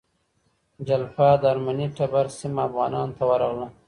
جلفا د ارمني ټبر سیمه افغانانو ته ورغله.